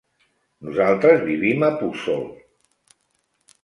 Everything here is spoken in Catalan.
Nosaltres vivim a Puçol.